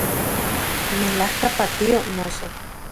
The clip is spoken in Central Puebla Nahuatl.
Melajka patio, noso